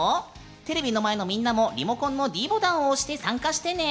テレビの前のみんなもリモコンのｄボタンを押して参加してね。